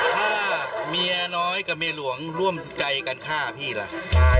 ถ้าเมียน้อยกับเมียหลวงร่วมใจกันฆ่าพี่ล่ะ